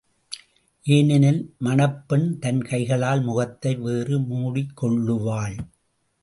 ஏனெனில் மணப்பெண் தன் கைகளால் முகத்தை வேறு மூடிக்கொள்ளுவாள்.